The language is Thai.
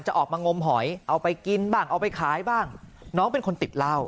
ออกมางมหอยเอาไปกินบ้างเอาไปขายบ้างน้องเป็นคนติดเหล้า